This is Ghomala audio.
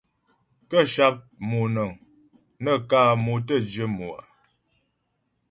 Kə́ sháp pɔmnəŋ nə kǎ mo tə́ jyə mo á.